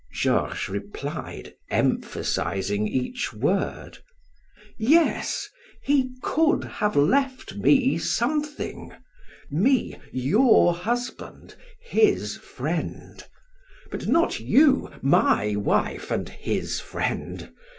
Georges replied, emphazing each word: "Yes, he could have left me something; me, your husband, his friend; but not you, my wife and his friend.